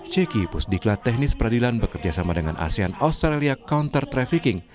ceki pusdikla teknis peradilan bekerjasama dengan asean australia counter trafficking